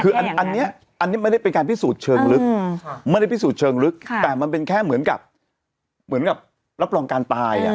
คืออันนี้ไม่ได้เป็นการพิสูจน์เชิงลึกแต่มันเป็นแค่เหมือนกับรับรองการตาย